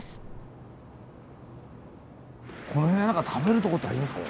この辺何か食べるとこってありますかね。